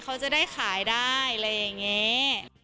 เขาจะได้ขายได้อะไรอย่างนี้